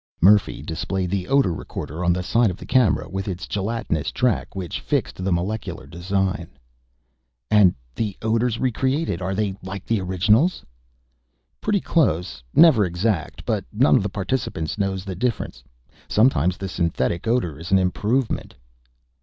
Murphy displayed the odor recorder on the side of the camera, with its gelatinous track which fixed the molecular design. "And the odors recreated they are like the originals?" "Pretty close. Never exact, but none of the participants knows the difference. Sometimes the synthetic odor is an improvement."